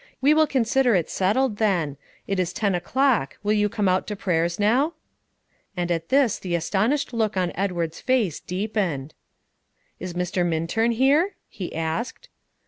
We will consider it settled, then. It is ten o'clock; will you come out to prayers now?" And at this the astonished look on Edward's face deepened. "Is Mr. Minturn here?" he asked.